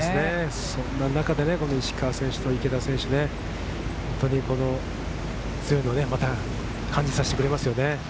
その中で石川選手と池田選手、本当に強いことをまた感じさせてくれますね。